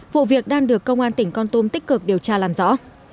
vụ việc đang được công an tỉnh con tum tích cực điều tra làm rõ